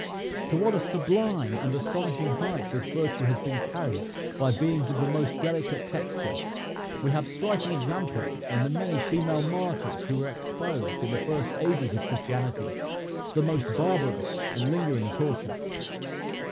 To what a sublime and astonishing height this virtue has been carried by beings of the most delicate texture, we have striking examples in the many female martyrs who were exposed, in the first ages of christianity, to the most barbarous and lingering torture.